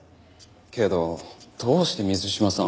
けどどうして水島さんを？